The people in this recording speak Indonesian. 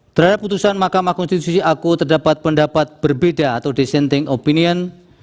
terhadap putusan mahkamah konstitusi aku terdapat pendapat berbeda atau dissenting opinion